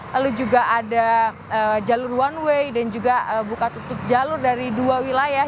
lalu juga ada jalur one way dan juga buka tutup jalur dari dua wilayah